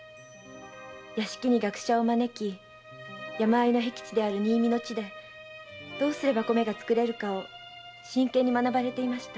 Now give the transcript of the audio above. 屋敷に学者を招き山間の僻地である新見の地でどうすれば米が作れるかを真剣に学ばれていました。